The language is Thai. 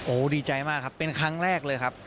โอ้โหดีใจมากครับเป็นครั้งแรกเลยครับ